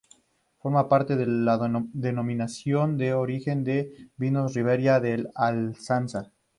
Forma parte de la Denominación de Origen de vinos Ribera del Arlanza.